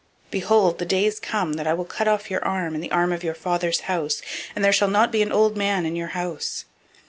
002:031 Behold, the days come, that I will cut off your arm, and the arm of your father's house, that there shall not be an old man in your house.